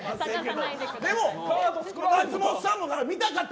松本さんも見たかった